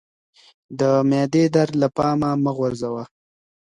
د معدې درد له پامه مه غورځوه